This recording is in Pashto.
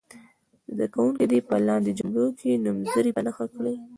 زده کوونکي دې په لاندې جملو کې نومځري په نښه کړي.